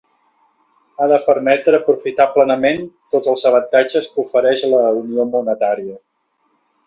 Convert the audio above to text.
Ha de permetre aprofitar plenament tots els avantatges que ofereix la Unió Monetària.